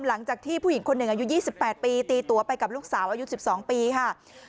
หลังจากที่ผู้หญิงคนหนึ่งอายุ๒๘ปีตีตัวไปกับลูกสาวอายุ๑๒ปีค่ะ